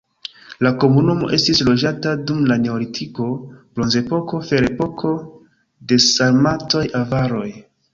La komunumo estis loĝata dum la neolitiko, bronzepoko, ferepoko, de sarmatoj, avaroj.